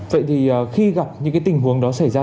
vậy thì khi gặp những cái tình huống đó xảy ra